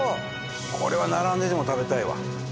これは並んででも食べたいわ。